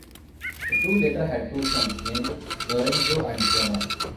The two later had two sons named Lorenzo and Zeno.